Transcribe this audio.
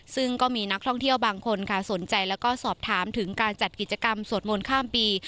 ซึ่งก็มีนักท่องเที่ยวบางคนค่ะสนใจแล้วก็สอบถามถึงการจัดกิจกรรมสวดมนต์ข้ามปี